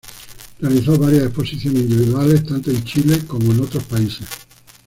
Realizó varias exposiciones individuales tanto en Chile y otros países.